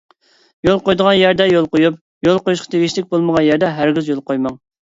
يول قويىدىغان يەردە يول قويۇپ، يول قويۇشقا تېگىشلىك بولمىغان يەردە ھەرگىز يول قويماڭ.